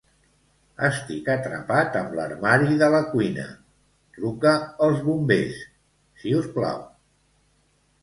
Estic atrapat amb l'armari de la cuina; truca els bombers, si us plau.